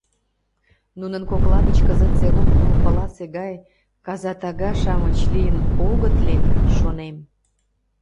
Нунын кокла гыч кызытсе рок группыласе гай казатага-шамыч лийын огыт лек, шонем.